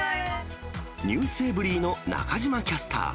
ｎｅｗｓｅｖｅｒｙ．の中島キャスター。